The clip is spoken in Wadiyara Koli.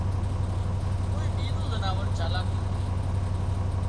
ڪوئي ٻيزُون زناور چالاڪ نٿي